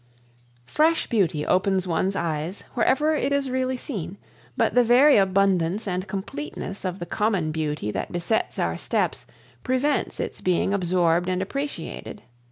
Fresh beauty opens one's eyes wherever it is really seen, but the very abundance and completeness of the common beauty that besets our steps prevents its being absorbed and appreciated.